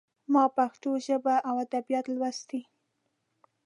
ما پښتو ژبه او ادبيات لوستي.